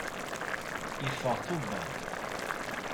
Iffeɣ tuber.